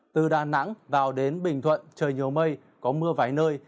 từ đà nẵng vào đến bình thuận trời nhiều mây có mưa vài nơi